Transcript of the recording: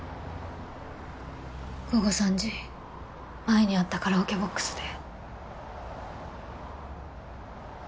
午後３時前に会ったカラオケボックスで。